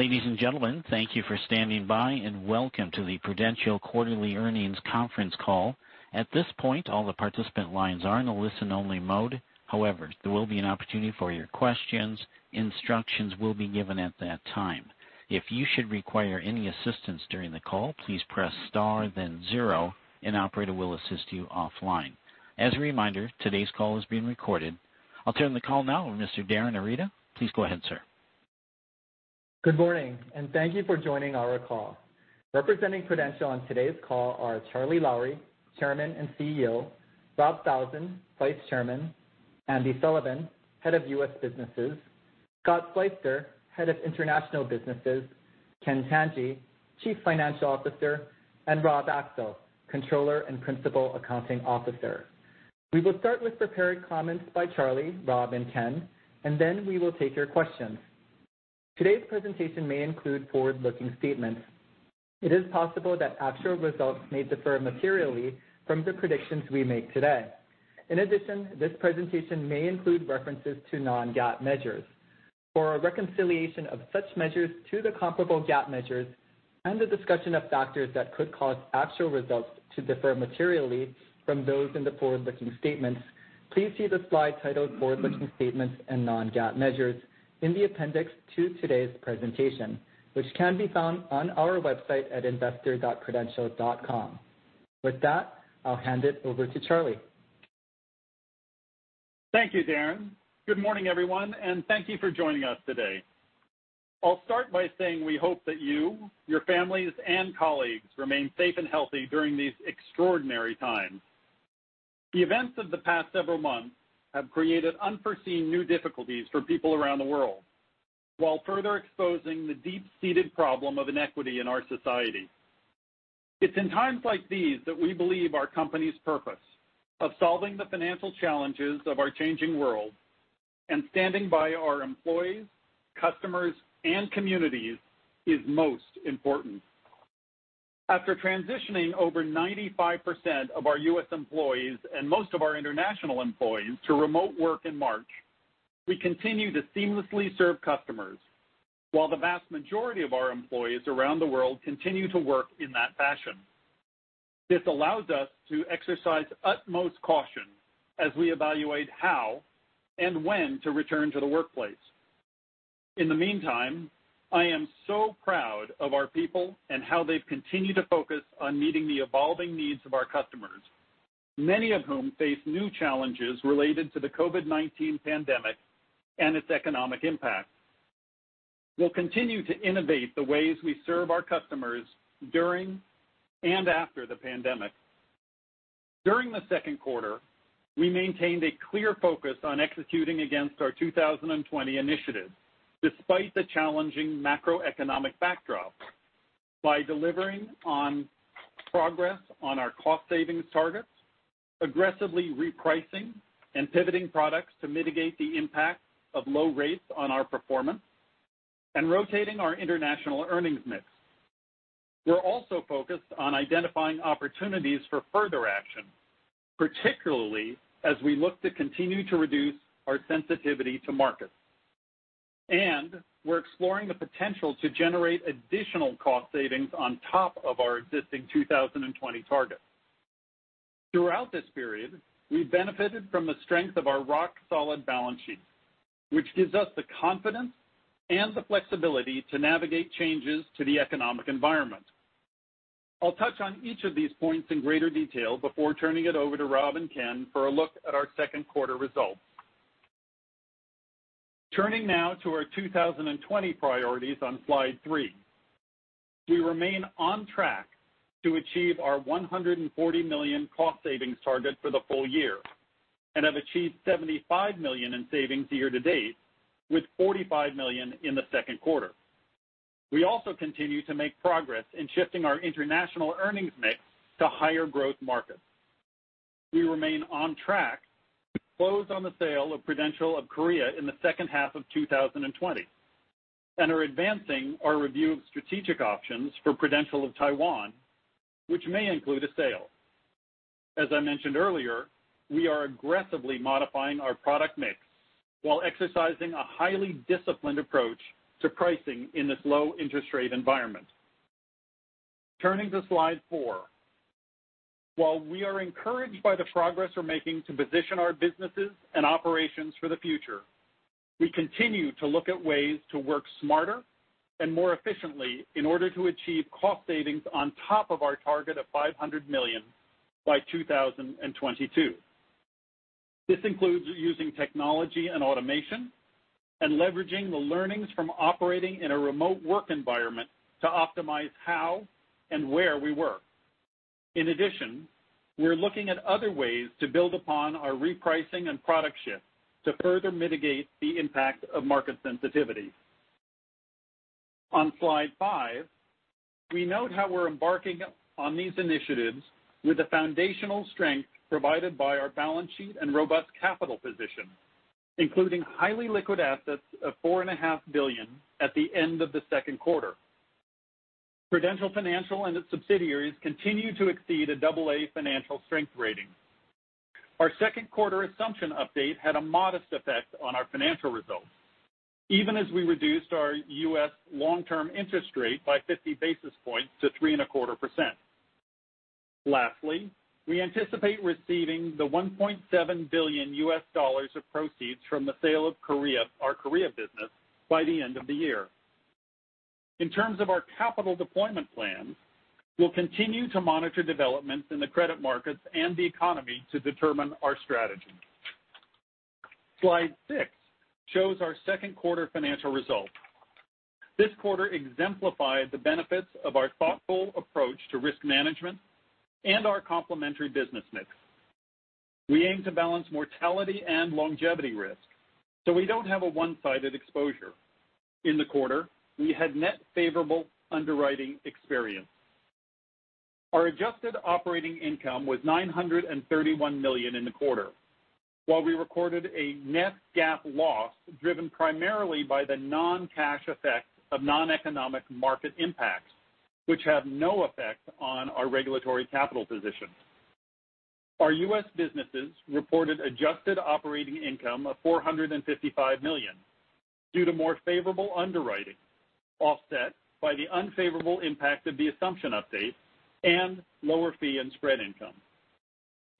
Ladies and gentlemen, thank you for standing by, and welcome to the Prudential Quarterly Earnings Conference Call. At this point, all the participant lines are in a listen-only mode. However, there will be an opportunity for your questions. Instructions will be given at that time. If you should require any assistance during the call, please press star then zero, and an operator will assist you offline. As a reminder, today's call is being recorded. I will turn the call now over to Darin Arita. Please go ahead, sir. Good morning, and thank you for joining our call. Representing Prudential on today's call are Charlie Lowrey, Chairman and CEO, Bob Falzon, Vice Chairman, Andy Sullivan, Head of U.S. Businesses, Scott Sleyster, Head of International Businesses, Ken Tanji, Chief Financial Officer, and Rob Axel, Controller and Principal Accounting Officer. We will start with prepared comments by Charlie, Rob, and Ken, and then we will take your questions. Today's presentation may include forward-looking statements. It is possible that actual results may differ materially from the predictions we make today. In addition, this presentation may include references to non-GAAP measures. For a reconciliation of such measures to the comparable GAAP measures and the discussion of factors that could cause actual results to differ materially from those in the forward-looking statements, please see the slide titled "Forward-looking Statements and Non-GAAP Measures" in the appendix to today's presentation, which can be found on our website at investor.prudential.com. With that, I'll hand it over to Charlie. Thank you, Darin. Good morning, everyone, and thank you for joining us today. I will start by saying we hope that you, your families, and colleagues remain safe and healthy during these extraordinary times. The events of the past several months have created unforeseen new difficulties for people around the world, while further exposing the deep-seated problem of inequity in our society. It's in times like these that we believe our company's purpose of solving the financial challenges of our changing world and standing by our employees, customers, and communities is most important. After transitioning over 95% of our U.S. employees and most of our international employees to remote work in March, we continue to seamlessly serve customers, while the vast majority of our employees around the world continue to work in that fashion. This allows us to exercise utmost caution as we evaluate how and when to return to the workplace. In the meantime, I am so proud of our people and how they've continued to focus on meeting the evolving needs of our customers, many of whom face new challenges related to the COVID-19 pandemic and its economic impact. We will continue to innovate the ways we serve our customers during and after the pandemic. During the second quarter, we maintained a clear focus on executing against our 2020 initiative, despite the challenging macroeconomic backdrop, by delivering on progress on our cost savings targets, aggressively repricing and pivoting products to mitigate the impact of low rates on our performance, and rotating our international earnings mix. We are also focused on identifying opportunities for further action, particularly as we look to continue to reduce our sensitivity to markets. We are exploring the potential to generate additional cost savings on top of our existing 2020 target. Throughout this period, we have benefited from the strength of our rock-solid balance sheet, which gives us the confidence and the flexibility to navigate changes to the economic environment. I will touch on each of these points in greater detail before turning it over to Rob and Ken for a look at our second quarter results. Turning now to our 2020 priorities on slide 3, we remain on track to achieve our $140 million cost savings target for the full year and have achieved $75 million in savings year-to-date, with $45 million in the second quarter. We also continue to make progress in shifting our international earnings mix to higher growth markets. We remain on track to close on the sale of Prudential Korea in the second half of 2020 and are advancing our review of strategic options for Prudential Taiwan, which may include a sale. As I mentioned earlier, we are aggressively modifying our product mix while exercising a highly disciplined approach to pricing in this low-interest rate environment. Turning to slide 4, while we are encouraged by the progress we're making to position our businesses and operations for the future, we continue to look at ways to work smarter and more efficiently in order to achieve cost savings on top of our target of $500 million by 2022. This includes using technology and automation and leveraging the learnings from operating in a remote work environment to optimize how and where we work. In addition, we are looking at other ways to build upon our repricing and product shift to further mitigate the impact of market sensitivity. On slide 5, we note how we're embarking on these initiatives with the foundational strength provided by our balance sheet and robust capital position, including highly liquid assets of $4.5 billion at the end of the second quarter. Prudential Financial and its subsidiaries continue to exceed a double-A financial strength rating. Our second quarter assumption update had a modest effect on our financial results, even as we reduced our U.S. long-term interest rate by 50 bps to 3.25%. Lastly, we anticipate receiving the $1.7 billion of proceeds from the sale of our Korea business by the end of the year. In terms of our capital deployment plan, we will continue to monitor developments in the credit markets and the economy to determine our strategy. Slide 6 shows our second quarter financial results. This quarter exemplified the benefits of our thoughtful approach to risk management and our complementary business mix. We aim to balance mortality and longevity risk, so we do not have a one-sided exposure. In the quarter, we had net favorable underwriting experience. Our adjusted operating income was $931 million in the quarter, while we recorded a net GAAP loss driven primarily by the non-cash effect of non-economic market impacts, which have no effect on our regulatory capital position. Our U.S. businesses reported adjusted operating income of $455 million due to more favorable underwriting, offset by the unfavorable impact of the assumption update and lower fee and spread income.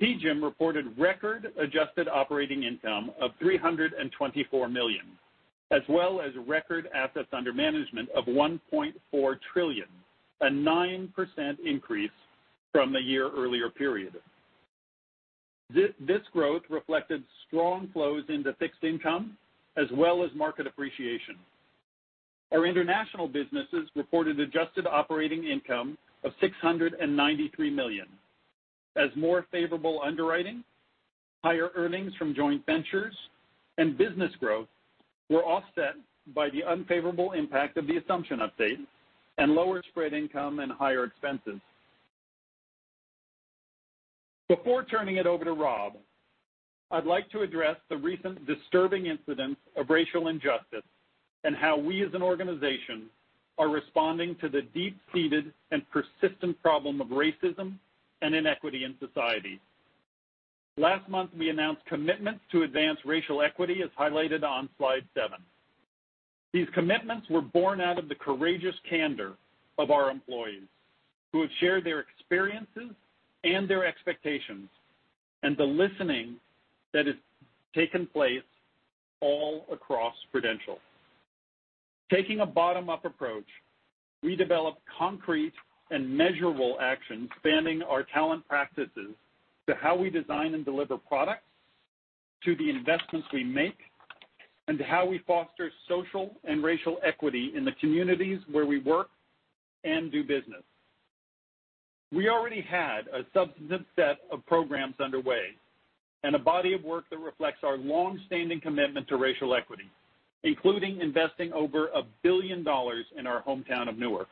PGIM reported record adjusted operating income of $324 million, as well as record assets under management of $1.4 trillion, a 9% increase from the year-earlier period. This growth reflected strong flows into fixed income, as well as market appreciation. Our international businesses reported adjusted operating income of $693 million, as more favorable underwriting, higher earnings from joint ventures, and business growth were offset by the unfavorable impact of the assumption update and lower spread income and higher expenses. Before turning it over to Rob, I would like to address the recent disturbing incident of racial injustice and how we, as an organization, are responding to the deep-seated and persistent problem of racism and inequity in society. Last month, we announced commitments to advance racial equity, as highlighted on slide 7. These commitments were born out of the courageous candor of our employees, who have shared their experiences and their expectations, and the listening that has taken place all across Prudential. Taking a bottom-up approach, we develop concrete and measurable actions spanning our talent practices to how we design and deliver products, to the investments we make, and to how we foster social and racial equity in the communities where we work and do business. We already had a substantive set of programs underway and a body of work that reflects our long-standing commitment to racial equity, including investing over $1 billion in our hometown of Newark.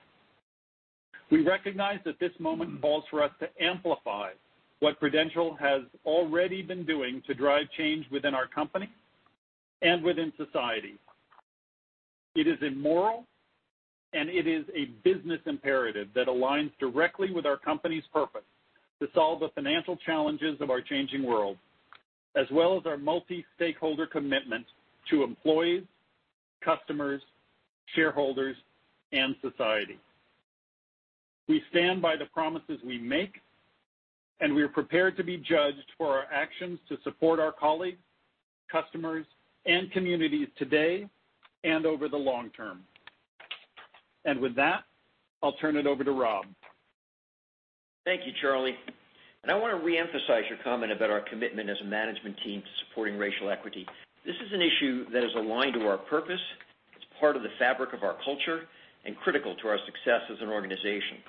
We recognize that this moment calls for us to amplify what Prudential has already been doing to drive change within our company and within society. It is immoral, and it is a business imperative that aligns directly with our company's purpose to solve the financial challenges of our changing world, as well as our multi-stakeholder commitment to employees, customers, shareholders, and society. We stand by the promises we make, and we are prepared to be judged for our actions to support our colleagues, customers, and communities today and over the long term. With that, I will turn it over to Rob. Thank you, Charlie. I want to re-emphasize your comment about our commitment as a management team to supporting racial equity. This is an issue that is aligned to our purpose. It is part of the fabric of our culture and critical to our success as an organization.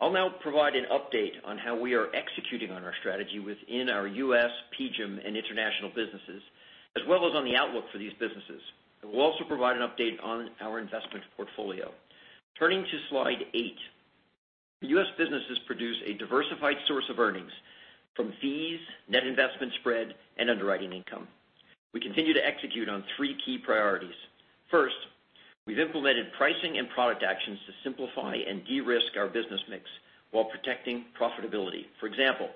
I'll now provide an update on how we are executing on our strategy within our U.S., PGIM, and international businesses, as well as on the outlook for these businesses. We will also provide an update on our investment portfolio. Turning to slide 8, U.S. businesses produce a diversified source of earnings from fees, net investment spread, and underwriting income. We continue to execute on three key priorities. First, we have implemented pricing and product actions to simplify and de-risk our business mix while protecting profitability. For example,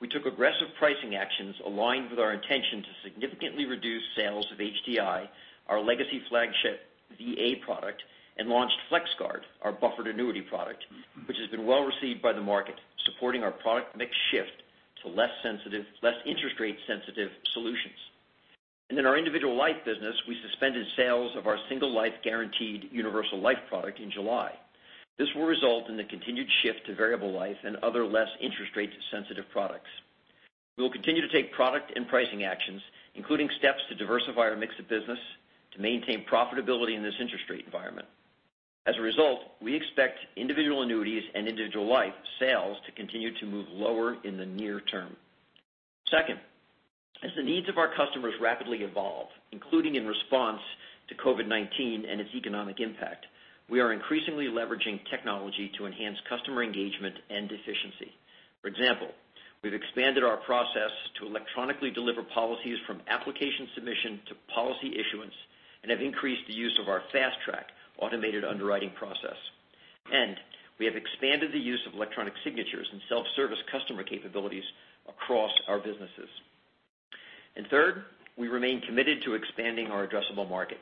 we took aggressive pricing actions aligned with our intention to significantly reduce sales of HDI, our legacy flagship VA product, and launched FlexGuard, our buffered annuity product, which has been well received by the market, supporting our product mix shift to less interest-rate-sensitive solutions. In our individual life business, we suspended sales of our single-life guaranteed universal life product in July. This will result in the continued shift to variable life and other less interest-rate-sensitive products. We will continue to take product and pricing actions, including steps to diversify our mix of business to maintain profitability in this interest-rate environment. As a result, we expect individual annuities and individual life sales to continue to move lower in the near term. Second, as the needs of our customers rapidly evolve, including in response to COVID-19 and its economic impact, we are increasingly leveraging technology to enhance customer engagement and efficiency. For example, we have expanded our process to electronically deliver policies from application submission to policy issuance and have increased the use of our FastTrack automated underwriting process. We have expanded the use of electronic signatures and self-service customer capabilities across our businesses. Third, we remain committed to expanding our addressable market.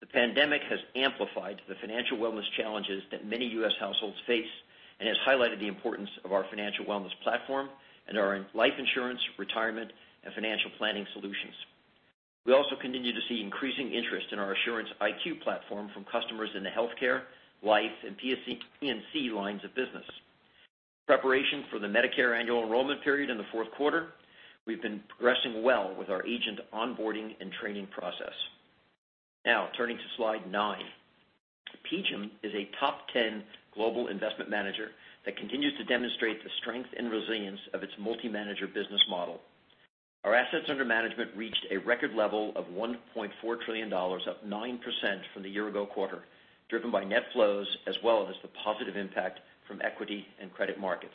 The pandemic has amplified the financial wellness challenges that many U.S. households face and has highlighted the importance of our financial wellness platform and our life insurance, retirement, and financial planning solutions. We also continue to see increasing interest in our Assurance IQ platform from customers in the healthcare, life, and P&C lines of business. In preparation for the Medicare annual enrollment period in the fourth quarter, we've been progressing well with our agent onboarding and training process. Now, turning to slide 9, PGIM is a top 10 global investment manager that continues to demonstrate the strength and resilience of its multi-manager business model. Our assets under management reached a record level of $1.4 trillion, up 9% from the year-ago quarter, driven by net flows as well as the positive impact from equity and credit markets.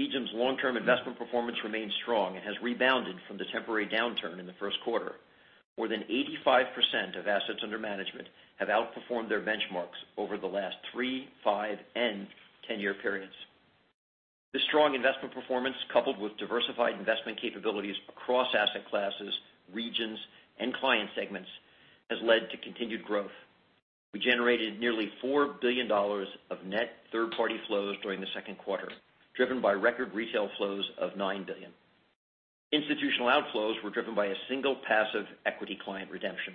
PGIM's long-term investment performance remains strong and has rebounded from the temporary downturn in the first quarter. More than 85% of assets under management have outperformed their benchmarks over the last 3, 5, and 10-year periods. This strong investment performance, coupled with diversified investment capabilities across asset classes, regions, and client segments, has led to continued growth. We generated nearly $4 billion of net third-party flows during the second quarter, driven by record retail flows of $9 billion. Institutional outflows were driven by a single passive equity client redemption.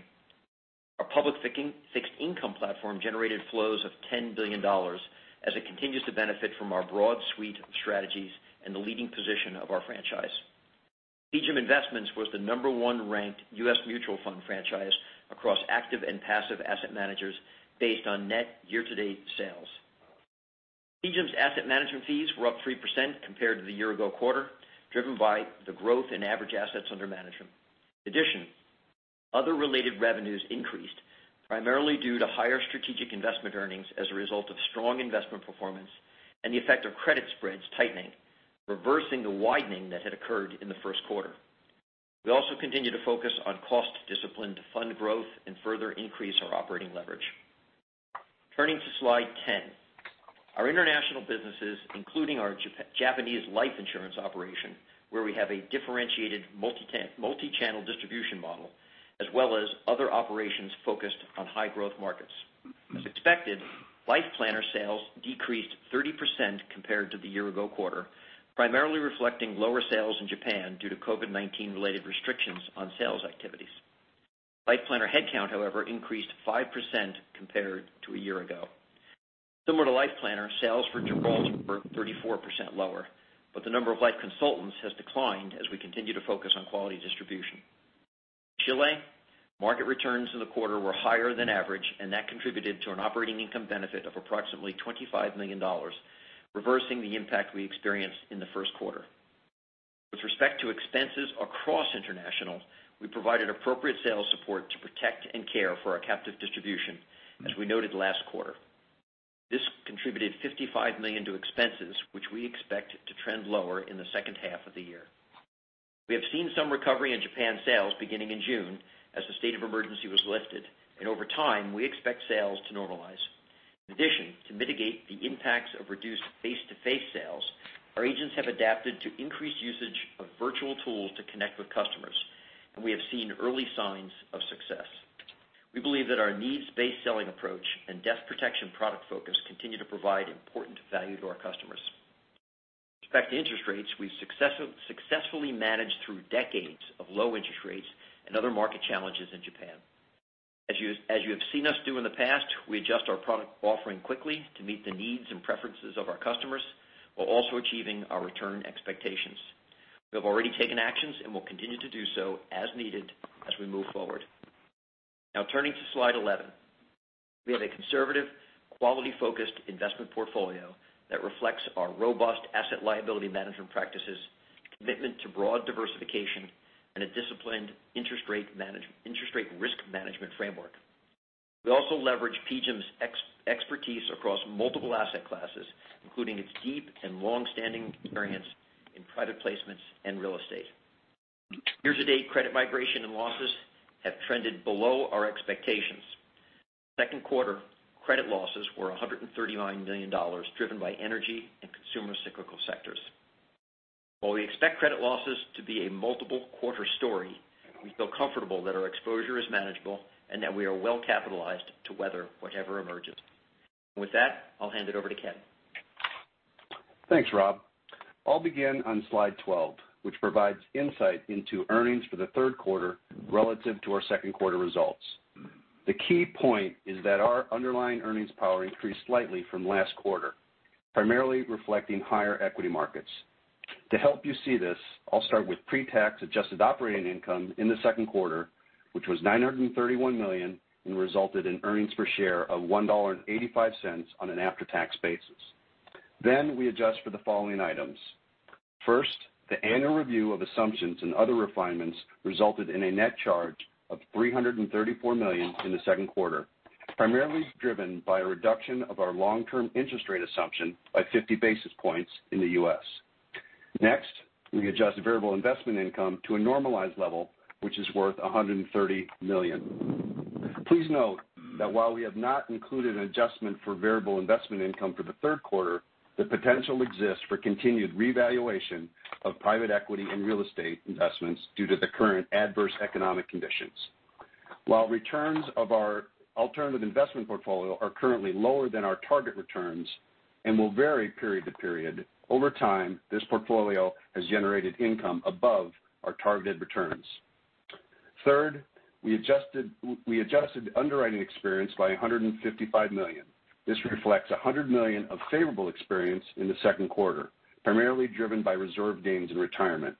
Our public fixed income platform generated flows of $10 billion as it continues to benefit from our broad suite of strategies and the leading position of our franchise. PGIM Investments was the No. 1 ranked U.S. mutual fund franchise across active and passive asset managers based on net year-to-date sales. PGIM's asset management fees were up 3% compared to the year-ago quarter, driven by the growth in average assets under management. In addition, other related revenues increased, primarily due to higher strategic investment earnings as a result of strong investment performance and the effect of credit spreads tightening, reversing the widening that had occurred in the first quarter. We also continue to focus on cost discipline to fund growth and further increase our operating leverage. Turning to slide 10, our international businesses, including our Japanese life insurance operation, where we have a differentiated multi-channel distribution model, as well as other operations focused on high-growth markets. As expected, LifePlanner sales decreased 30% compared to the year-ago quarter, primarily reflecting lower sales in Japan due to COVID-19-related restrictions on sales activities. LifePlanner headcount, however, increased 5% compared to a year ago. Similar to LifePlanner, sales for Gibraltar were 34% lower, but the number of life consultants has declined as we continue to focus on quality distribution. In Chile, market returns in the quarter were higher than average, and that contributed to an operating income benefit of approximately $25 million, reversing the impact we experienced in the first quarter. With respect to expenses across international, we provided appropriate sales support to protect and care for our captive distribution, as we noted last quarter. This contributed $55 million to expenses, which we expect to trend lower in the second half of the year. We have seen some recovery in Japan sales beginning in June as the state of emergency was lifted, and over time, we expect sales to normalize. In addition, to mitigate the impacts of reduced face-to-face sales, our agents have adapted to increased usage of virtual tools to connect with customers, and we have seen early signs of success. We believe that our needs-based selling approach and death protection product focus continue to provide important value to our customers. With respect to interest rates, we've successfully managed through decades of low interest rates and other market challenges in Japan. As you have seen us do in the past, we adjust our product offering quickly to meet the needs and preferences of our customers while also achieving our return expectations. We have already taken actions and will continue to do so as needed as we move forward. Now, turning to slide 11, we have a conservative, quality-focused investment portfolio that reflects our robust asset liability management practices, commitment to broad diversification, and a disciplined interest rate risk management framework. We also leverage PGIM's expertise across multiple asset classes, including its deep and long-standing experience in private placements and real estate. Year-to-date credit migration and losses have trended below our expectations. Second quarter, credit losses were $139 million, driven by energy and consumer cyclical sectors. While we expect credit losses to be a multiple quarter story, we feel comfortable that our exposure is manageable and that we are well capitalized to weather whatever emerges. With that, I will hand it over to Ken. Thanks, Rob. I will begin on slide 12, which provides insight into earnings for the third quarter relative to our second quarter results. The key point is that our underlying earnings power increased slightly from last quarter, primarily reflecting higher equity markets. To help you see this, I will start with pre-tax adjusted operating income in the second quarter, which was $931 million and resulted in earnings per share of $1.85 on an after-tax basis. We adjust for the following items. First, the annual review of assumptions and other refinements resulted in a net charge of $334 million in the second quarter, primarily driven by a reduction of our long-term interest rate assumption by 50 bps in the U.S. Next, we adjust variable investment income to a normalized level, which is worth $130 million. Please note that while we have not included an adjustment for variable investment income for the third quarter, the potential exists for continued revaluation of private equity and real estate investments due to the current adverse economic conditions. While returns of our alternative investment portfolio are currently lower than our target returns and will vary period to period, over time, this portfolio has generated income above our targeted returns. Third, we adjusted underwriting experience by $155 million. This reflects $100 million of favorable experience in the second quarter, primarily driven by reserve gains in retirement.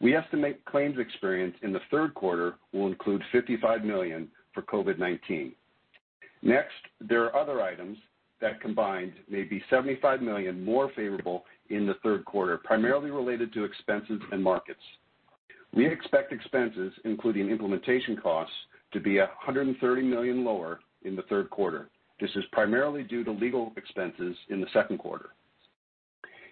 We estimate claims experience in the third quarter will include $55 million for COVID-19. Next, there are other items that combined may be $75 million more favorable in the third quarter, primarily related to expenses and markets. We expect expenses, including implementation costs, to be $130 million lower in the third quarter. This is primarily due to legal expenses in the second quarter.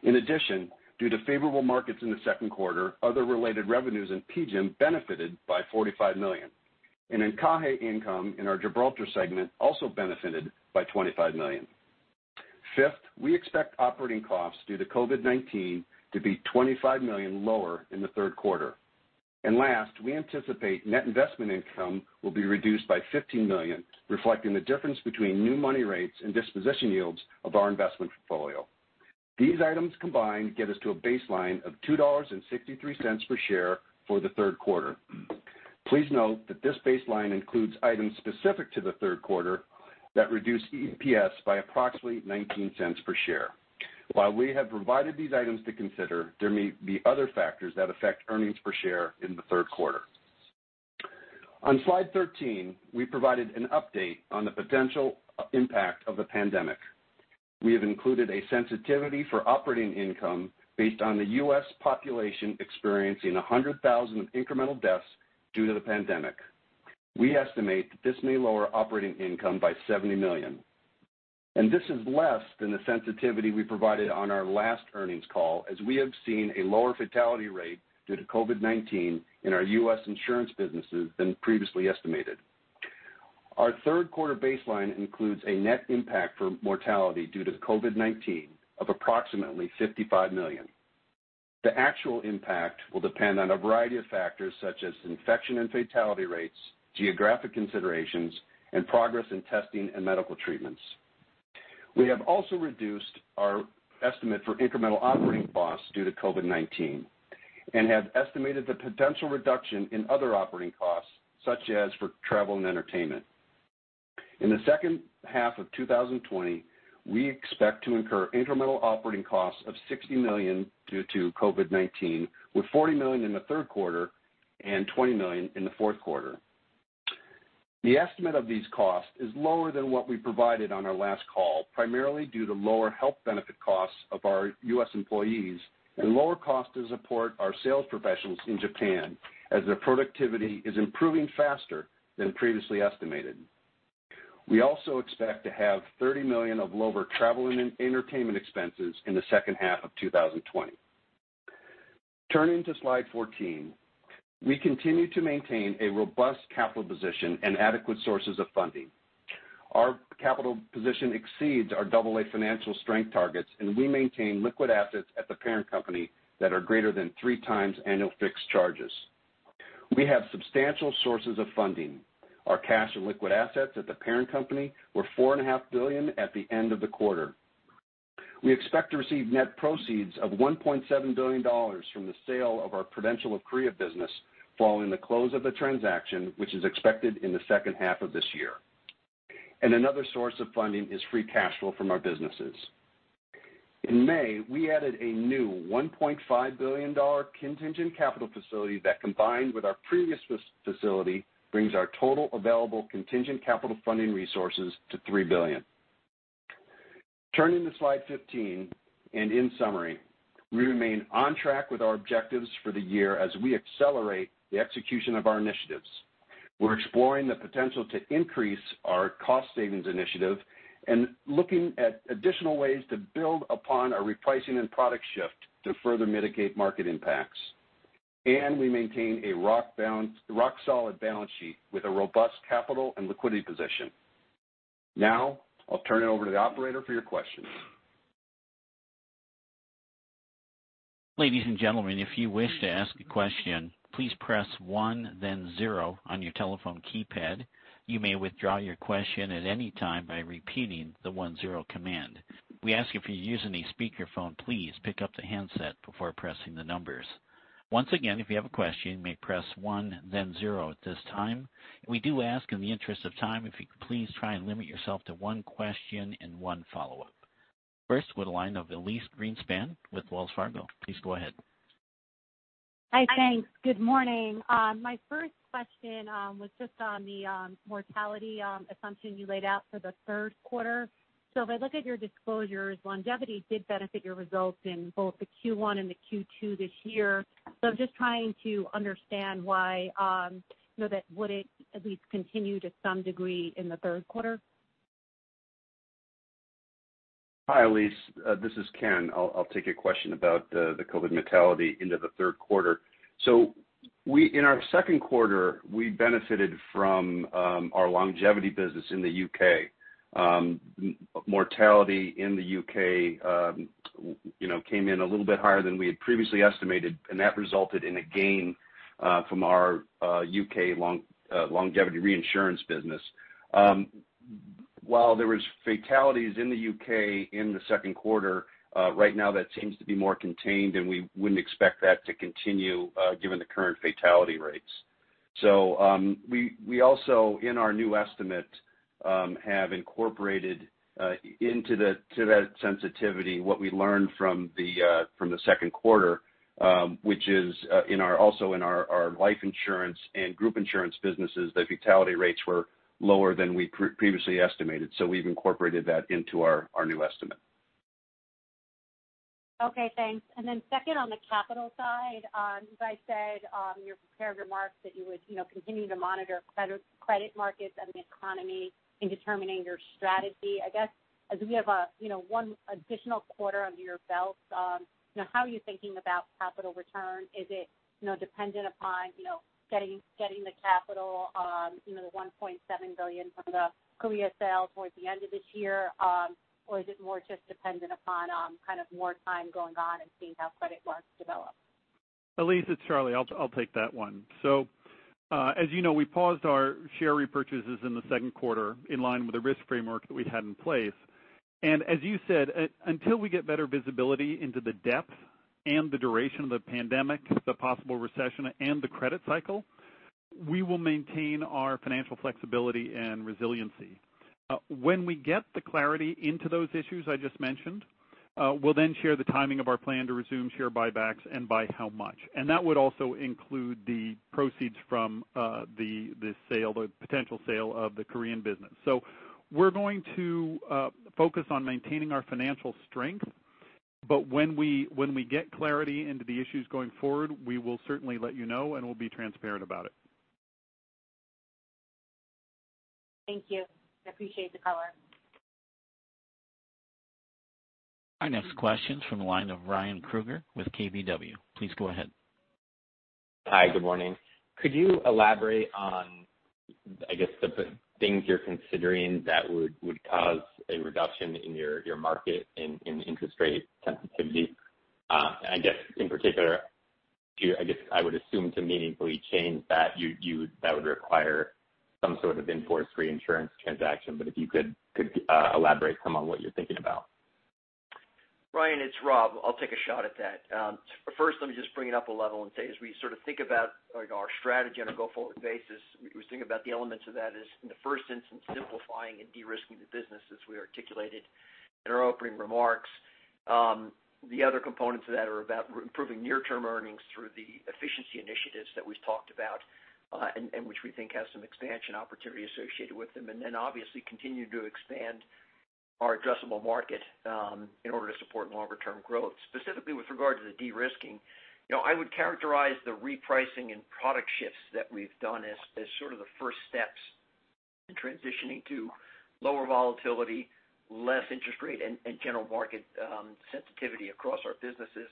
In addition, due to favorable markets in the second quarter, other related revenues in PGIM benefited by $45 million. In Kai income in our Gibraltar segment also benefited by $25 million. Fifth, we expect operating costs due to COVID-19 to be $25 million lower in the third quarter. Last, we anticipate net investment income will be reduced by $15 million, reflecting the difference between new money rates and disposition yields of our investment portfolio. These items combined get us to a baseline of $2.63 per share for the third quarter. Please note that this baseline includes items specific to the third quarter that reduce EPS by approximately $0.19 per share. While we have provided these items to consider, there may be other factors that affect earnings per share in the third quarter. On slide 13, we provided an update on the potential impact of the pandemic. We have included a sensitivity for operating income based on the U.S. population experiencing 100,000 incremental deaths due to the pandemic. We estimate that this may lower operating income by $70 million. This is less than the sensitivity we provided on our last earnings call, as we have seen a lower fatality rate due to COVID-19 in our U.S. insurance businesses than previously estimated. Our third quarter baseline includes a net impact for mortality due to COVID-19 of approximately $55 million. The actual impact will depend on a variety of factors such as infection and fatality rates, geographic considerations, and progress in testing and medical treatments. We have also reduced our estimate for incremental operating costs due to COVID-19 and have estimated the potential reduction in other operating costs such as for travel and entertainment. In the second half of 2020, we expect to incur incremental operating costs of $60 million due to COVID-19, with $40 million in the third quarter and $20 million in the fourth quarter. The estimate of these costs is lower than what we provided on our last call, primarily due to lower health benefit costs of our U.S. employees and lower costs to support our sales professionals in Japan as their productivity is improving faster than previously estimated. We also expect to have $30 million of lower travel and entertainment expenses in the second half of 2020. Turning to slide 14, we continue to maintain a robust capital position and adequate sources of funding. Our capital position exceeds our AA financial strength targets, and we maintain liquid assets at the parent company that are greater than three times annual fixed charges. We have substantial sources of funding. Our cash and liquid assets at the parent company were $4.5 billion at the end of the quarter. We expect to receive net proceeds of $1.7 billion from the sale of our Prudential Korea business following the close of the transaction, which is expected in the second half of this year. Another source of funding is free cash flow from our businesses. In May, we added a new $1.5 billion contingent capital facility that, combined with our previous facility, brings our total available contingent capital funding resources to $3 billion. Turning to slide 15, and in summary, we remain on track with our objectives for the year as we accelerate the execution of our initiatives. We are exploring the potential to increase our cost savings initiative and looking at additional ways to build upon our repricing and product shift to further mitigate market impacts. We maintain a rock-solid balance sheet with a robust capital and liquidity position. Now, I wil turn it over to the operator for your questions. Ladies and gentlemen, if you wish to ask a question, please press 1 then 0 on your telephone keypad. You may withdraw your question at any time by repeating the 1-0 command. We ask if you're using a speakerphone, please pick up the handset before pressing the numbers. Once again, if you have a question, you may press 1 then 0 at this time. We do ask in the interest of time if you could please try and limit yourself to one question and one follow-up. First, we will go to Elyse Greenspan with Wells Fargo. Please go ahead. Hi, thanks. Good morning. My first question was just on the mortality assumption you laid out for the third quarter. If I look at your disclosures, longevity did benefit your results in both the Q1 and the Q2 this year. I am just trying to understand why that would not at least continue to some degree in the third quarter. Hi, Elise. This is Ken. I will take a question about the COVID mortality into the third quarter. In our second quarter, we benefited from our longevity business in the U.K. Mortality in the U.K. came in a little bit higher than we had previously estimated, and that resulted in a gain from our U.K. longevity reinsurance business. While there were fatalities in the U.K. in the second quarter, right now that seems to be more contained, and we wouldn't expect that to continue given the current fatality rates. We also, in our new estimate, have incorporated into that sensitivity what we learned from the second quarter, which is also in our life insurance and group insurance businesses, the fatality rates were lower than we previously estimated. We have incorporated that into our new estimate. Okay, thanks. Then second, on the capital side, you guys said in your remarks that you would continue to monitor credit markets and the economy in determining your strategy. I guess, as we have one additional quarter under your belt, how are you thinking about capital return? Is it dependent upon getting the capital, the $1.7 billion from the Korea sales towards the end of this year, or is it more just dependent upon kind of more time going on and seeing how credit markets develop? Elise, it's Charlie. I will take that one. As you know, we paused our share repurchases in the second quarter in line with the risk framework that we had in place. As you said, until we get better visibility into the depth and the duration of the pandemic, the possible recession, and the credit cycle, we will maintain our financial flexibility and resiliency. When we get the clarity into those issues I just mentioned, we'll then share the timing of our plan to resume share buybacks and by how much. That would also include the proceeds from the sale, the potential sale of the Korean business. We are going to focus on maintaining our financial strength, but when we get clarity into the issues going forward, we will certainly let you know and we will be transparent about it. Thank you. I appreciate the color. Our next question is from the line of Ryan Krueger with KBW. Please go ahead. Hi, good morning. Could you elaborate on, I guess, the things you're considering that would cause a reduction in your market in interest rate sensitivity? I guess, in particular, I guess I would assume to meaningfully change that, that would require some sort of enforced reinsurance transaction. If you could elaborate some on what you are thinking about. Ryan, it's Rob. I will take a shot at that. First, let me just bring it up a level and say, as we sort of think about our strategy on a go-forward basis, we think about the elements of that as, in the first instance, simplifying and de-risking the business, as we articulated in our opening remarks. The other components of that are about improving near-term earnings through the efficiency initiatives that we have talked about and which we think have some expansion opportunity associated with them. Obviously, continue to expand our addressable market in order to support longer-term growth. Specifically, with regard to the de-risking, I would characterize the repricing and product shifts that we've done as sort of the first steps in transitioning to lower volatility, less interest rate, and general market sensitivity across our businesses.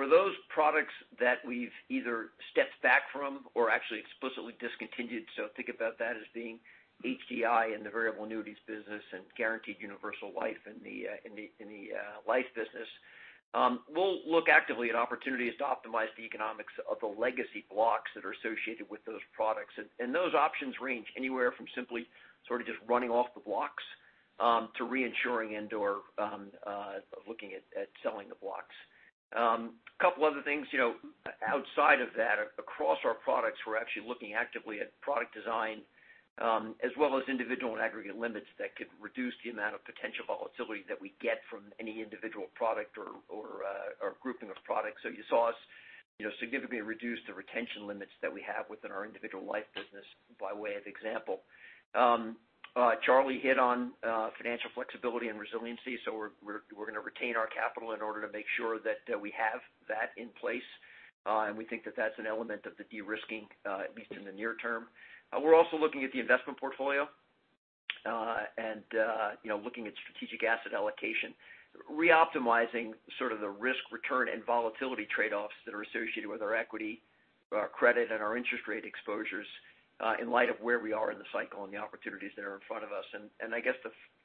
For those products that we've either stepped back from or actually explicitly discontinued, so think about that as being HDI in the variable annuities business and guaranteed universal life in the life business, we will look actively at opportunities to optimize the economics of the legacy blocks that are associated with those products. Those options range anywhere from simply sort of just running off the blocks to reinsuring and/or looking at selling the blocks. A couple of other things outside of that, across our products, we are actually looking actively at product design as well as individual and aggregate limits that could reduce the amount of potential volatility that we get from any individual product or grouping of products. You saw us significantly reduce the retention limits that we have within our individual life business by way of example. Charlie hit on financial flexibility and resiliency. We are going to retain our capital in order to make sure that we have that in place. We think that that is an element of the de-risking, at least in the near term. We are also looking at the investment portfolio and looking at strategic asset allocation, re-optimizing sort of the risk, return, and volatility trade-offs that are associated with our equity, our credit, and our interest rate exposures in light of where we are in the cycle and the opportunities that are in front of us. I guess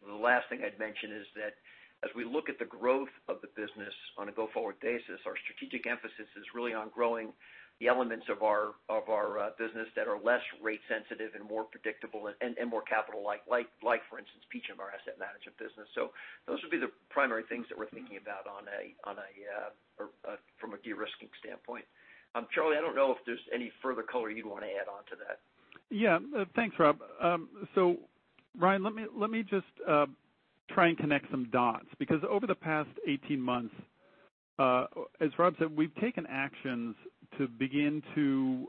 the last thing I would mention is that as we look at the growth of the business on a go-forward basis, our strategic emphasis is really on growing the elements of our business that are less rate-sensitive and more predictable and more capital-like, like, for instance, PGIM, our asset management business. Those would be the primary things that we're thinking about from a de-risking standpoint. Charlie, I don't know if there's any further color you would want to add on to that. Thanks, Rob. Ryan, let me just try and connect some dots because over the past 18 months, as Rob said, we have taken actions to begin to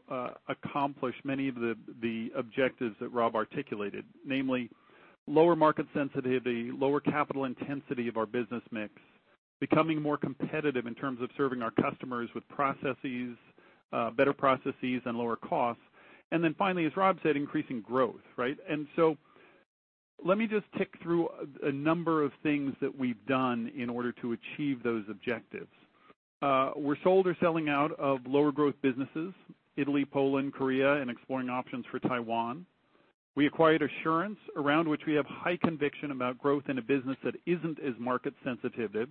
accomplish many of the objectives that Rob articulated, namely, lower market sensitivity, lower capital intensity of our business mix, becoming more competitive in terms of serving our customers with better processes and lower costs. Finally, as Rob said, increasing growth, right? Let me just tick through a number of things that we have done in order to achieve those objectives. We are sold or selling out of lower-growth businesses: Italy, Poland, Korea, and exploring options for Taiwan. We acquired Assurance IQ, around which we have high conviction about growth in a business that is not as market-sensitive,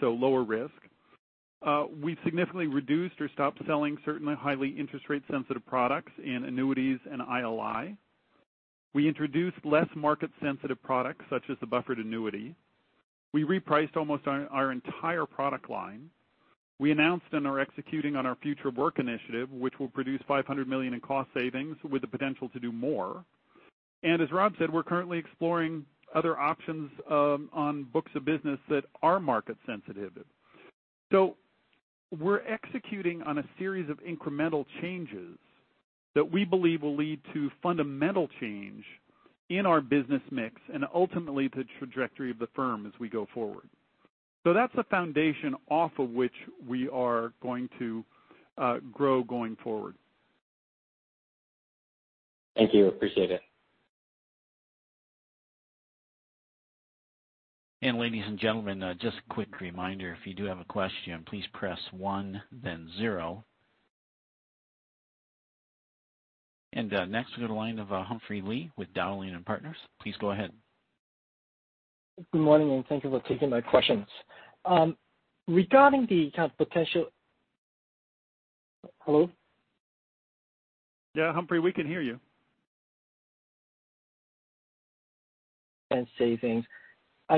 so lower risk. We've significantly reduced or stopped selling certain highly interest-rate-sensitive products in annuities and ILI. We introduced less market-sensitive products such as the buffered annuity. We repriced almost our entire product line. We announced and are executing on our future work initiative, which will produce $500 million in cost savings with the potential to do more. As Rob said, we are currently exploring other options on books of business that are market-sensitive. We are executing on a series of incremental changes that we believe will lead to fundamental change in our business mix and ultimately the trajectory of the firm as we go forward. That's a foundation off of which we are going to grow going forward. Thank you. Appreciate it. Ladies and gentlemen, just a quick reminder, if you do have a question, please press 1 then 0. Next, we will go to the line of Humphrey Lee with Dowling & Partners. Please go ahead. Good morning and thank you for taking my questions. Regarding the kind of potential, hello? Humphrey, we can hear you. I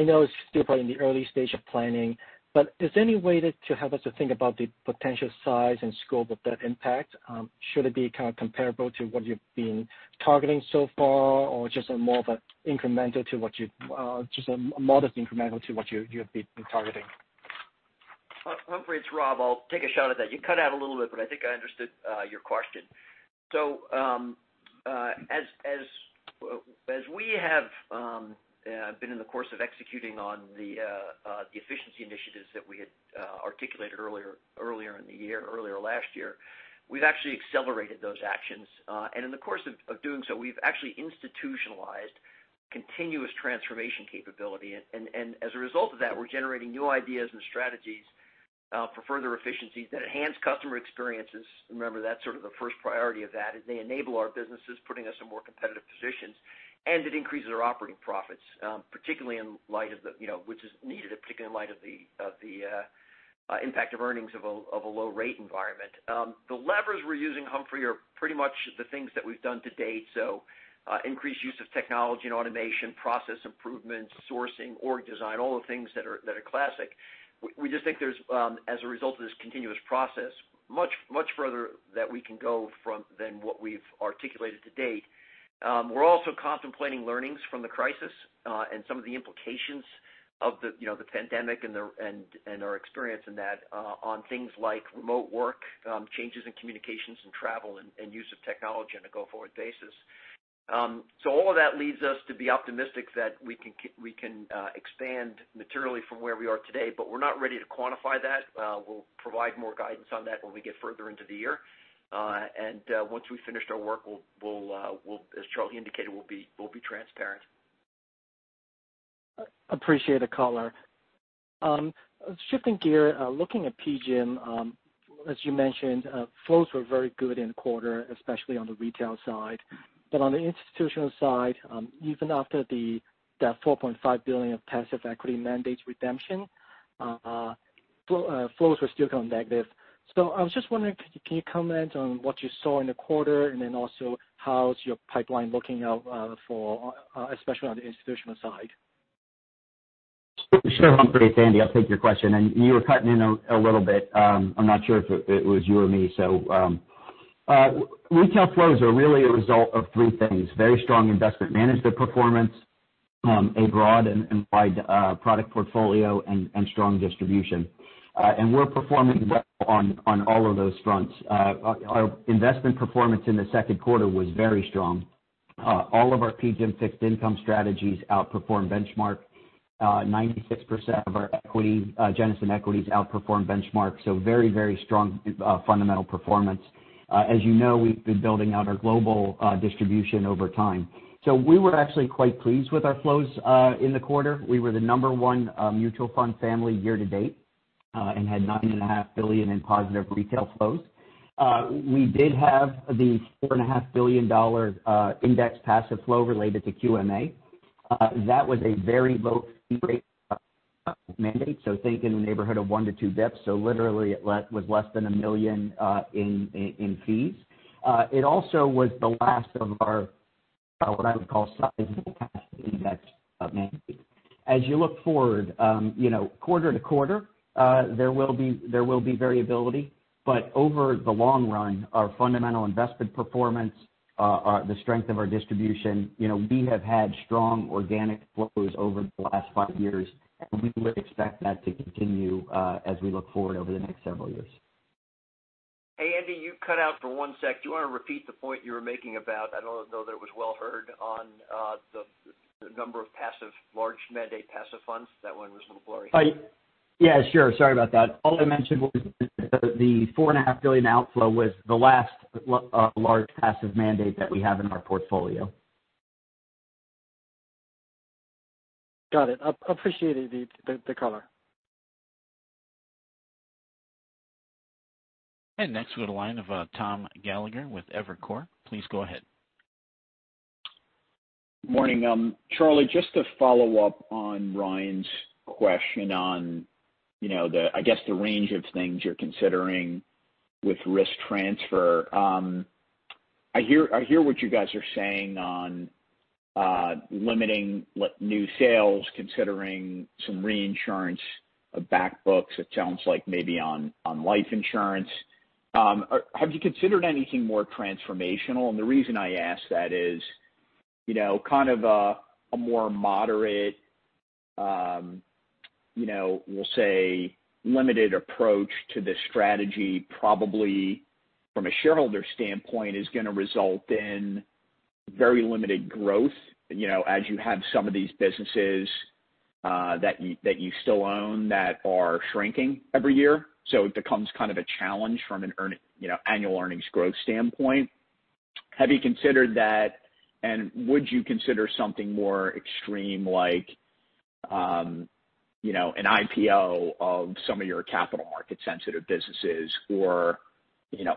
know it is still probably in the early stage of planning, but is there any way to have us to think about the potential size and scope of that impact? Should it be kind of comparable to what you have been targeting so far or just more of an incremental to what you've just a modest incremental to what you have been targeting? Humphrey, it's Rob. I will take a shot at that. You cut out a little bit, but I think I understood your question. As we have been in the course of executing on the efficiency initiatives that we had articulated earlier in the year, earlier last year, we have actually accelerated those actions. In the course of doing so, we have actually institutionalized continuous transformation capability. As a result of that, we are generating new ideas and strategies for further efficiencies that enhance customer experiences. Remember, that is sort of the first priority of that, is they enable our businesses, putting us in more competitive positions, and it increases our operating profits, particularly in light of the impact of earnings of a low-rate environment. The levers we're using, Humphrey, are pretty much the things that we have done to date. Increased use of technology and automation, process improvements, sourcing, org design, all the things that are classic. We just think there is, as a result of this continuous process, much further that we can go than what we have articulated to date. We are also contemplating learnings from the crisis and some of the implications of the pandemic and our experience in that on things like remote work, changes in communications and travel, and use of technology on a go-forward basis. All of that leads us to be optimistic that we can expand materially from where we are today, but we are not ready to quantify that. We will provide more guidance on that when we get further into the year. Once we've finished our work, as Charlie indicated, we'll be transparent. Appreciate the color. Shifting gear, looking at PGIM, as you mentioned, flows were very good in the quarter, especially on the retail side. On the institutional side, even after that $4.5 billion of passive equity mandates redemption, flows were still kind of negative. I was just wondering, can you comment on what you saw in the quarter and then also how is your pipeline looking out for, especially on the institutional side? Sure, Humphrey. Andy, I will take your question. You were cutting in a little bit. I am not sure if it was you or me. Retail flows are really a result of three things: very strong investment management performance, a broad and wide product portfolio, and strong distribution. We are performing well on all of those fronts. Our investment performance in the second quarter was very strong. All of our PGIM fixed income strategies outperformed benchmark. 96% of our Geneson equities outperformed benchmark. Very, very strong fundamental performance. As you know, we have been building out our global distribution over time. We were actually quite pleased with our flows in the quarter. We were the No. 1 mutual fund family year-to-date and had $9.5 billion in positive retail flows. We did have the $4.5 billion index passive flow related to QMA. That was a very low fee rate mandate, so think in the neighborhood of 1 to 2 bps. Literally, it was less than $1 million in fees. It also was the last of our, what I would call, size index mandate. As you look forward, quarter-to-quarter, there will be variability. Over the long run, our fundamental investment performance, the strength of our distribution, we have had strong organic flows over the last 5 years, and we would expect that to continue as we look forward over the next several years. Hey, Andy, you cut out for one second. Do you want to repeat the point you were making about I do not know that it was well heard on the number of large mandate passive funds? That one was a little blurry. Sure. Sorry about that. All I mentioned was the $4.5 billion outflow was the last large passive mandate that we have in our portfolio. Got it. Appreciate the color. Next, we will go to the line of Tom Gallagher with Evercore. Please go ahead. Morning, Charlie. Just to follow up on Ryan's question on, I guess, the range of things you're considering with risk transfer. I hear what you guys are saying on limiting new sales, considering some reinsurance of back books, it sounds like maybe on life insurance. Have you considered anything more transformational? The reason I ask that is kind of a more moderate, we will say, limited approach to this strategy, probably from a shareholder standpoint, is going to result in very limited growth as you have some of these businesses that you still own that are shrinking every year. It becomes kind of a challenge from an annual earnings growth standpoint. Have you considered that, and would you consider something more extreme like an IPO of some of your capital market-sensitive businesses or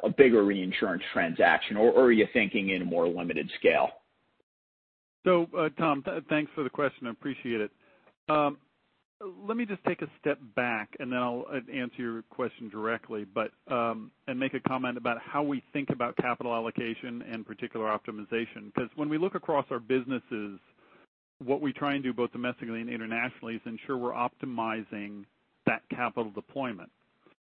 a bigger reinsurance transaction, or are you thinking in a more limited scale? Tom, thanks for the question. I appreciate it. Let me just take a step back, and then I will answer your question directly and make a comment about how we think about capital allocation and particular optimization. Because when we look across our businesses, what we try and do both domestically and internationally is ensure we're optimizing that capital deployment.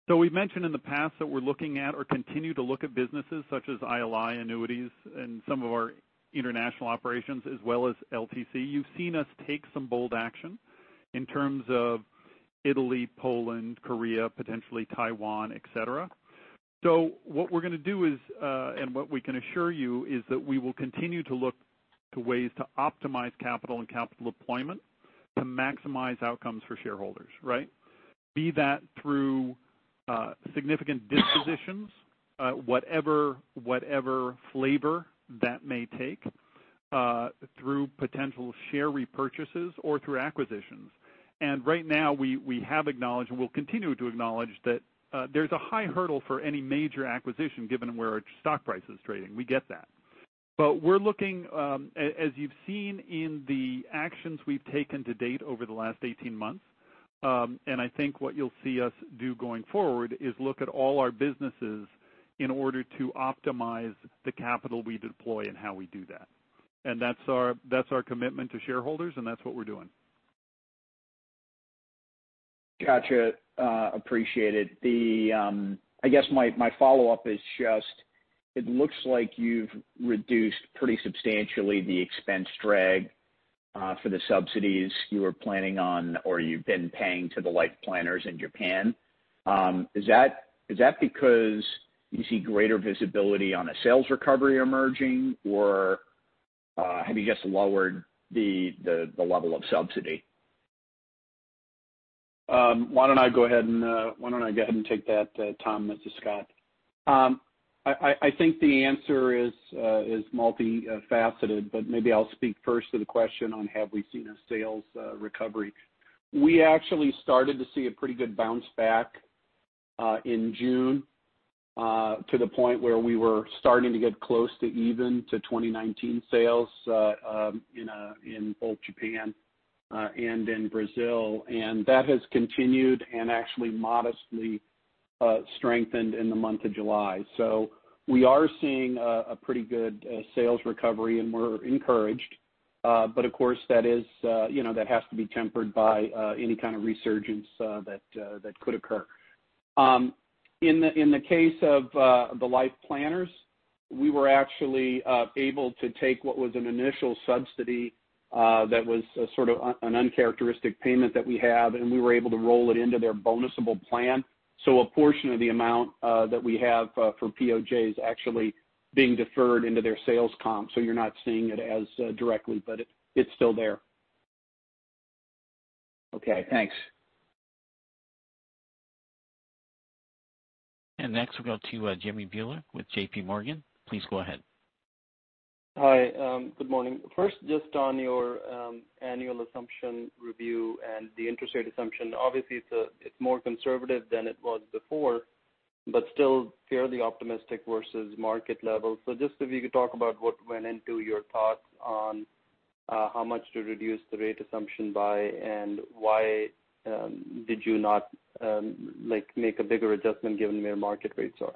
We have mentioned in the past that we're looking at or continue to look at businesses such as ILI, annuities, and some of our international operations, as well as LTC. You have seen us take some bold action in terms of Italy, Poland, Korea, potentially Taiwan, etc. What we are going to do is, and what we can assure you is that we will continue to look to ways to optimize capital and capital deployment to maximize outcomes for shareholders, right? Be that through significant dispositions, whatever flavor that may take, through potential share repurchases, or through acquisitions. Right now, we have acknowledged and will continue to acknowledge that there's a high hurdle for any major acquisition given where our stock price is trading. We get that. We are looking, as you've seen in the actions we have taken to date over the last 18 months, and I think what you will see us do going forward is look at all our businesses in order to optimize the capital we deploy and how we do that. That is our commitment to shareholders, and that is what we are doing. Gotcha. Appreciate it. I guess my follow-up is just it looks like you have reduced pretty substantially the expense drag for the subsidies you were planning on or you've been paying to the life planners in Japan. Is that because you see greater visibility on a sales recovery emerging, or have you just lowered the level of subsidy? Why do not I go ahead and take that, Tom, Mr. Scott? I think the answer is multifaceted, but maybe I will speak first to the question on have we seen a sales recovery. We actually started to see a pretty good bounce back in June to the point where we were starting to get close to even to 2019 sales in both Japan and in Brazil. That has continued and actually modestly strengthened in the month of July. We are seeing a pretty good sales recovery, and we're encouraged. Of course, that has to be tempered by any kind of resurgence that could occur. In the case of the Life Planners, we were actually able to take what was an initial subsidy that was sort of an uncharacteristic payment that we have, and we were able to roll it into their bonusable plan. A portion of the amount that we have for Prudentisl of Japan (POJ) is actually being deferred into their sales comp. You are not seeing it as directly, but it is still there. Okay. Thanks. Next, we will go to Jimmy Bhullar with JPMorgan. Please go ahead. Hi. Good morning. First, just on your annual assumption review and the interest rate assumption. Obviously, it is more conservative than it was before, but still fairly optimistic versus market level. Just if you could talk about what went into your thoughts on how much to reduce the rate assumption by and why did you not make a bigger adjustment given where market rates are.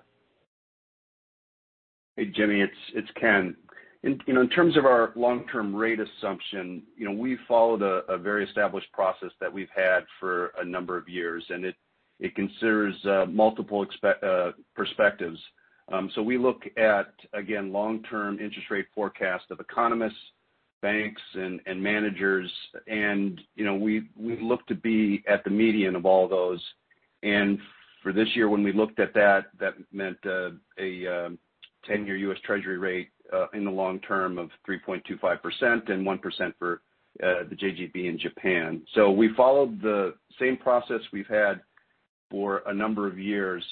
Hey, Jimmy. It is Ken. In terms of our long-term rate assumption, we followed a very established process that we have had for a number of years, and it considers multiple perspectives. We look at, again, long-term interest rate forecasts of economists, banks, and managers, and we look to be at the median of all those. For this year, when we looked at that, that meant a 10-year U.S. Treasury rate in the long term of 3.25% and 1% for the JGB in Japan. We followed the same process we have had for a number of years.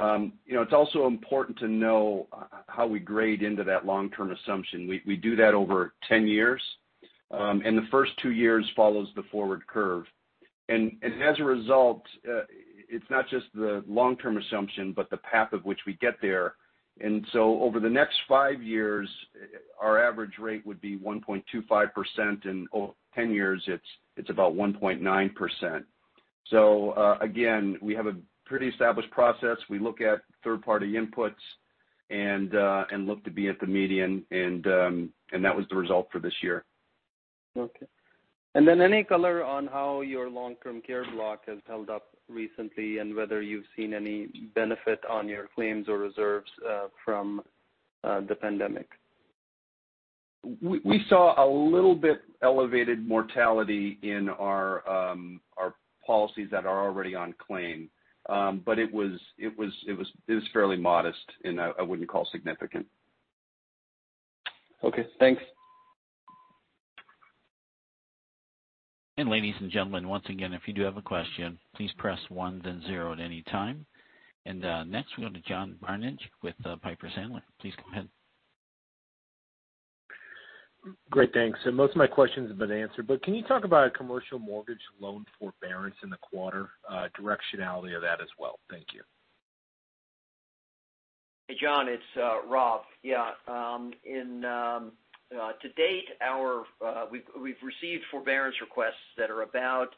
It is also important to know how we grade into that long-term assumption. We do that over 10 years, and the first 2 years follows the forward curve. As a result, it is not just the long-term assumption, but the path of which we get there. Over the next 5 years, our average rate would be 1.25%, and over 10 years, it is about 1.9%. We have a pretty established process. We look at third-party inputs and look to be at the median, and that was the result for this year. Okay. Any color on how your long-term care block has held up recently and whether you have seen any benefit on your claims or reserves from the pandemic? We saw a little bit elevated mortality in our policies that are already on claim, but it was fairly modest, and I would not call it significant. Okay. Thanks. Ladies and gentlemen, once again, if you do have a question, please press 1 then 0 at any time. Next, we will go to John Barnidge with Piper Sandler. Please come in. Great. Thanks. Most of my questions have been answered. Can you talk about commercial mortgage loan forbearance in the quarter, directionality of that as well? Thank you. Hey, John. It's Rob. To date, we've received forbearance requests that are about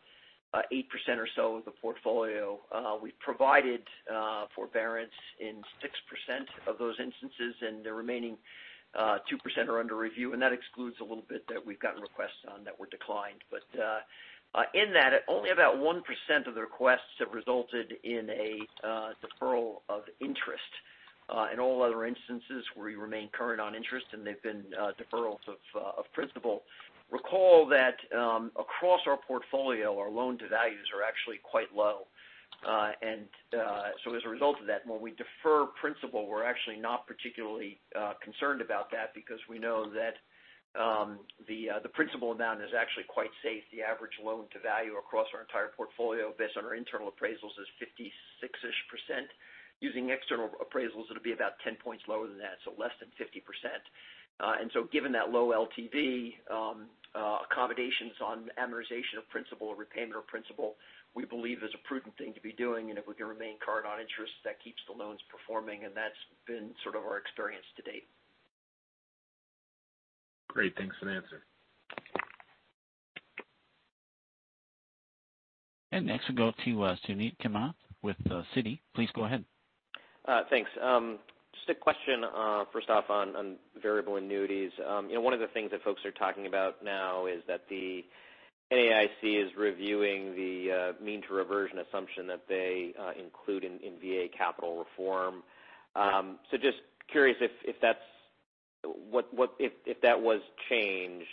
8% or so of the portfolio. We have provided forbearance in 6% of those instances, and the remaining 2% are under review. That excludes a little bit that we've gotten requests on that were declined. In that, only about 1% of the requests have resulted in a deferral of interest. In all other instances, we remain current on interest, and they have been deferrals of principal. Recall that across our portfolio, our loan-to-values (LTV) are actually quite low. As a result of that, when we defer principal, we're actually not particularly concerned about that because we know that the principal amount is actually quite safe. The average loan-to-value across our entire portfolio, based on our internal appraisals, is 56-ish percent. Using external appraisals, it would be about 10 percentage points lower than that, so less than 50%. Given that low LTV, accommodations on amortization of principal or repayment of principal, we believe, is a prudent thing to be doing. If we can remain current on interest, that keeps the loans performing, and that's been sort of our experience to date. Great. Thanks for the answer. Next, we will go to Sunit Kamath with Citi. Please go ahead. Thanks. Just a question, first off, on variable annuities. One of the things that folks are talking about now is that the NAIC is reviewing the mean-to-reversion assumption that they include in VA capital reform. Just curious if that was changed,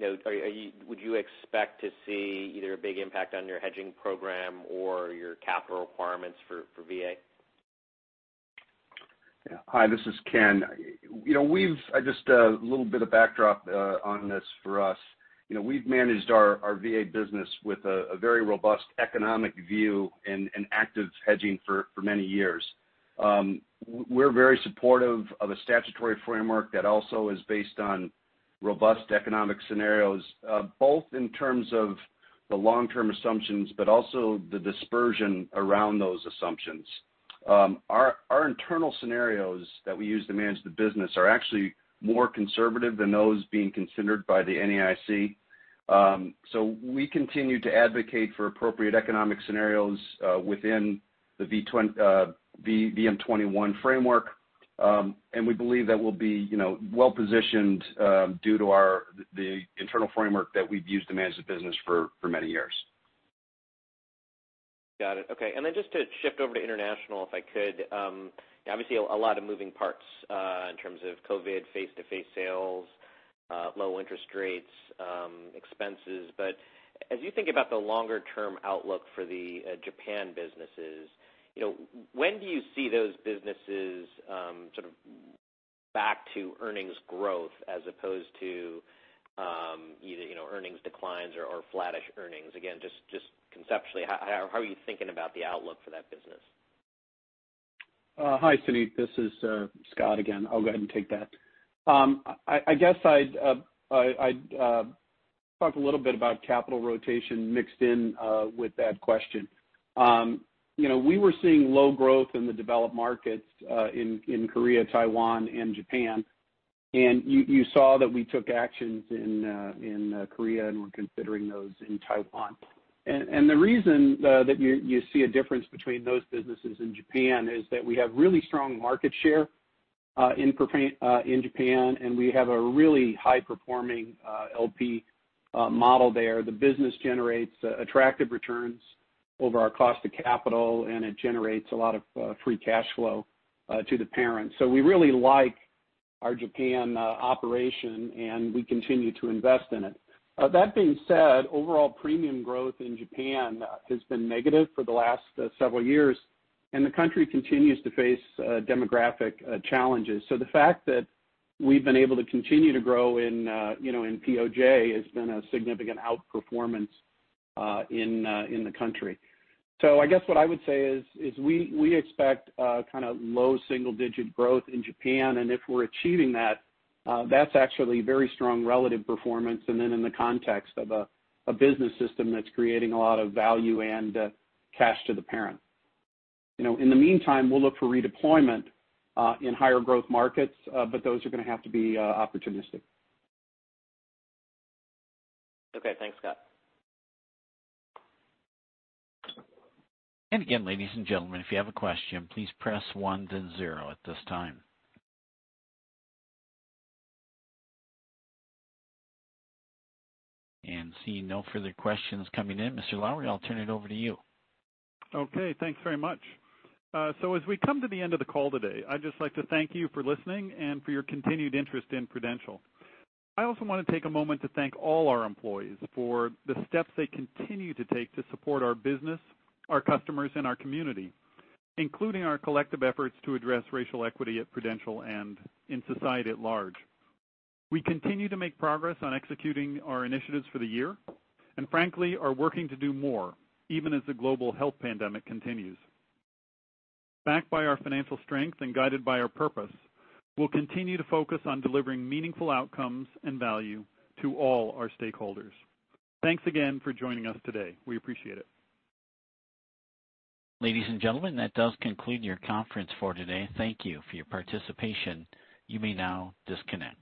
would you expect to see either a big impact on your hedging program or your capital requirements for VA? Hi. This is Ken. Just a little bit of backdrop on this for us. We have managed our VA business with a very robust economic view and active hedging for many years. We're very supportive of a statutory framework that also is based on robust economic scenarios, both in terms of the long-term assumptions but also the dispersion around those assumptions. Our internal scenarios that we use to manage the business are actually more conservative than those being considered by the NAIC. We continue to advocate for appropriate economic scenarios within the VM-21 framework, and we believe that we will be well-positioned due to the internal framework that we have used to manage the business for many years. Got it. Okay. Just to shift over to international, if I could. Obviously, a lot of moving parts in terms of COVID, face-to-face sales, low interest rates, expenses. As you think about the longer-term outlook for the Japan businesses, when do you see those businesses sort of back to earnings growth as opposed to earnings declines or flattish earnings? Again, just conceptually, how are you thinking about the outlook for that business? Hi, Sunit. This is Scott again. I will go ahead and take that. I guess I would talk a little bit about capital rotation mixed in with that question. We were seeing low growth in the developed markets in Korea, Taiwan, and Japan. You saw that we took actions in Korea and were considering those in Taiwan. The reason that you see a difference between those businesses and Japan is that we have really strong market share in Japan, and we have a really high-performing LP model there. The business generates attractive returns over our cost of capital, and it generates a lot of free cash flow to the parent. We really like our Japan operation, and we continue to invest in it. That being said, overall premium growth in Japan has been negative for the last several years, and the country continues to face demographic challenges. The fact that we have been able to continue to grow in POJ has been a significant outperformance in the country. I guess what I would say is we expect kind of low-single-digit growth in Japan. If we're achieving that, that's actually very strong relative performance and then in the context of a business system that's creating a lot of value and cash to the parent. In the meantime, we will look for redeployment in higher growth markets, but those are going to have to be opportunistic. Okay. Thanks, Scott. Again, ladies and gentlemen, if you have a question, please press 1 then 0 at this time. Seeing no further questions coming in, Mr. Lowrey, I will turn it over to you. Okay. Thanks very much. As we come to the end of the call today, I would just like to thank you for listening and for your continued interest in Prudential. I also want to take a moment to thank all our employees for the steps they continue to take to support our business, our customers, and our community, including our collective efforts to address racial equity at Prudential and in society at large. We continue to make progress on executing our initiatives for the year and, frankly, are working to do more even as the global health pandemic continues. Backed by our financial strength and guided by our purpose, we'll continue to focus on delivering meaningful outcomes and value to all our stakeholders. Thanks again for joining us today. We appreciate it. Ladies and gentlemen, that does conclude your conference for today. Thank you for your participation. You may now disconnect.